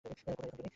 কোথায় এখন উনি?